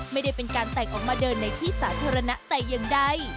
ไม่ได้เป็นการแต่งออกมาเดินในที่สาธารณะแต่อย่างใด